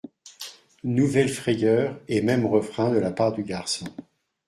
Nouvelle frayeur et même refrain de la part du garçon.